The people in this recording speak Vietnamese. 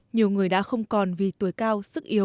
nhiều người đã không còn vì tuổi cao